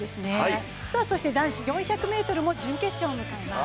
そして男子４００ｍも準決勝を迎えます。